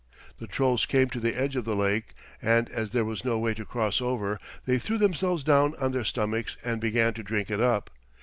The Trolls came to the edge of the lake, and as there was no way to cross over they threw themselves down on their stomachs and began to drink it up.